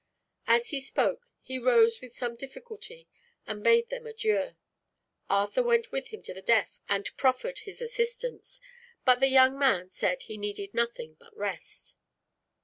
As he spoke he rose with some difficulty and bade them adieu. Arthur went with him to the desk and proffered his assistance, but the young man said he needed nothing but rest.